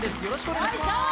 よろしくお願いします